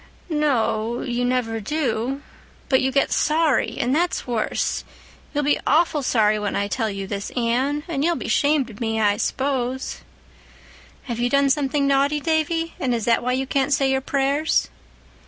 "No o o, you never do. But you get sorry, and that's worse. You'll be awful sorry when I tell you this, Anne—and you'll be 'shamed of me, I s'pose." "Have you done something naughty, Davy, and is that why you can't say your prayers?"